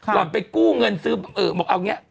หล่อนไปกู้เงินซื้อเอาเงี้ย